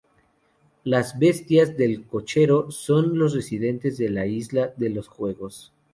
Las Bestias del Cochero son los residentes de la Isla de los Juegos.